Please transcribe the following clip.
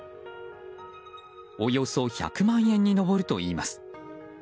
およそ１００万円に上るといいます。